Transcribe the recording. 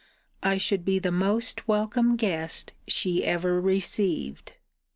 I should be the most welcome guest she ever received.